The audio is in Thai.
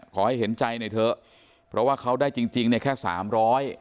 ขอให้เห็นใจไหนเถอะเพราะว่าเขาได้จริงแค่หัด๓๐๐